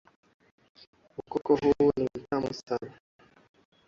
Ukoko huu ni mtamu sana.